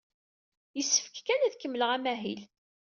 Yessefk kan ad kemmleɣ amahil.